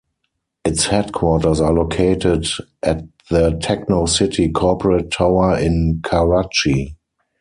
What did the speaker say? Its headquarters are located at the Techno-city Corporate Tower in Karachi.